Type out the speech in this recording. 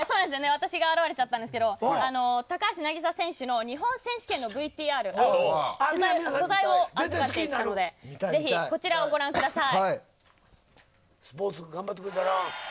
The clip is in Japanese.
私が現れちゃったんですけど高橋渚選手の日本選手権のＶＴＲ素材を預かってきたのでこちらをご覧ください。